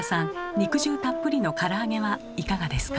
肉汁たっぷりのから揚げはいかがですか？